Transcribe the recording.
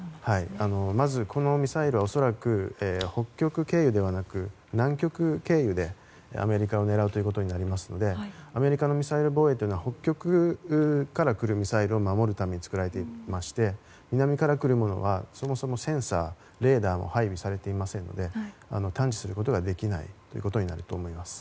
まず、このミサイルは恐らく北極経由ではなく南極経由でアメリカを狙うことになりますのでアメリカのミサイル防衛というのは北極から来るミサイルを守るために作られていまして南から来るものはそもそもセンサー、レーダーも配備されていませんので探知することができないと思います。